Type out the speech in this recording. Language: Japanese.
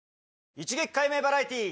一撃解明バラエティ。